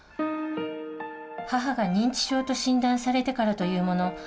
母が認知症と診断されてからというもの